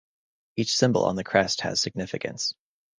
Each symbol on the crest has significance.